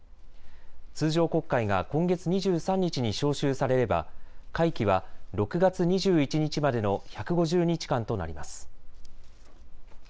通常国会が今月２３日に召集されれば会期は６月２１日までの１５０日間となります。